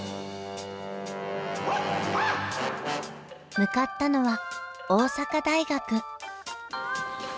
向かったのは大阪大学。